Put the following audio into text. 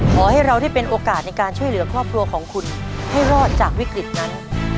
ขอให้เราได้เป็นโอกาสในการช่วยเหลือครอบครัวของคุณให้รอดจากวิกฤตนั้น